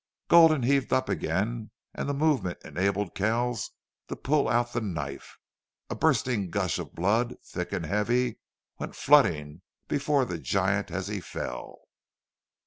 Gulden heaved up again, and the movement enabled Kells to pull out the knife. A bursting gush of blood, thick and heavy, went flooding before the giant as he fell.